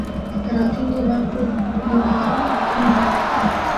راتیں دے وقت او دیواراں ہتھ نیں لیندے۔